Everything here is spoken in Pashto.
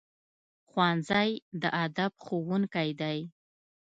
ښوونځی د ادب ښوونکی دی